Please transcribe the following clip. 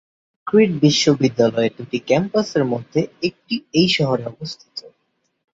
ক্রিট বিশ্ববিদ্যালয়ের দু'টি ক্যাম্পাসের মধ্যে একটি এই শহরেই অবস্থিত।